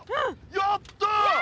やった！